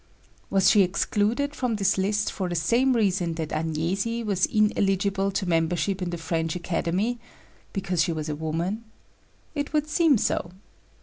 Was she excluded from this list for the same reason that Agnesi was ineligible to membership in the French Academy because she was a woman? It would seem so.